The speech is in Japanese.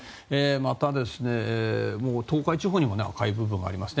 また、東海地方にも赤い部分があります。